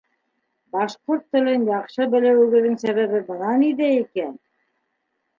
— Башҡорт телен яҡшы белеүегеҙҙең сәбәбе бына ниҙә икән...